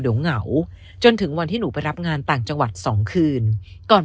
เดี๋ยวเหงาจนถึงวันที่หนูไปรับงานต่างจังหวัด๒คืนก่อน